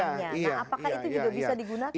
nah apakah itu juga bisa digunakan